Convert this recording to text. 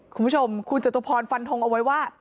คุณผู้ชมคุณจตุพรฟันทงเอาไว้ว่า